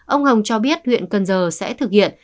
ông hồng cho biết huyện cần giờ sẽ thực hiện